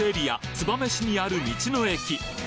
燕市にある道の駅